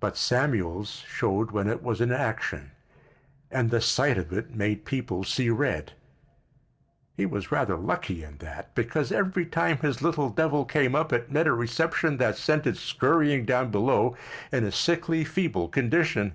But Samuel's showed when it was in action, and the sight of it made people see red. He was rather lucky in that, because every time his little devil came up it met a reception that sent it scurrying down below in a sickly, feeble condition.